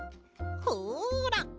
ほら。